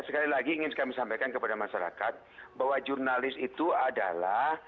sekali lagi ingin kami sampaikan kepada masyarakat bahwa jurnalis itu adalah